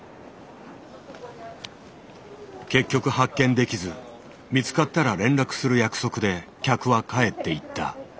結局発見できず見つかったら連絡する約束で客は帰っていった。